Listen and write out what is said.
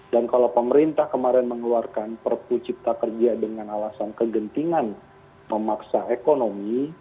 dan kalau pemerintah kemarin mengeluarkan perpu cipta kerja dengan alasan kegentingan memaksa ekonomi